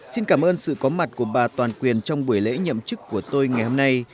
xin cảm ơn sự có mặt của bà toàn quyền trong buổi lễ nhậm chức của tôi ngày hôm nay